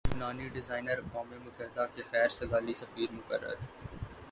لبنانی designer اقوام متحدہ کے خیر سگالی سفیر مقرر